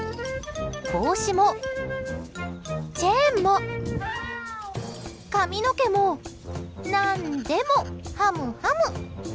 帽子もチェーンも髪の毛も何でもハムハム。